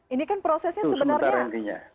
ini kan prosesnya sebenarnya